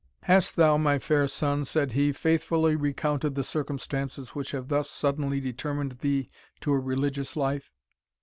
"Hast thou, my fair son," said he, "faithfully recounted the circumstances which have thus suddenly determined thee to a religious life?"